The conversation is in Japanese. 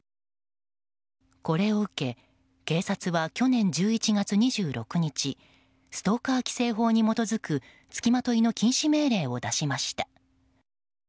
これを受け警察は去年１１月２６日ストーカー規制法に基づく付きまといの禁止命令を出しました。